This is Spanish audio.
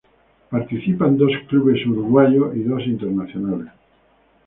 Participan dos clubes uruguayos y dos internacionales.